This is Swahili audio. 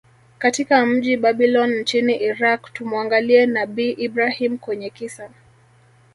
katika mji Babylon nchini Iraq Tumuangalie nabii Ibrahim kwenye kisa